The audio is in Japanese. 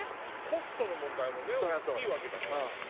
コストの問題もね大きいわけだから。